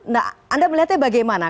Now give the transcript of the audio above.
nah anda melihatnya bagaimana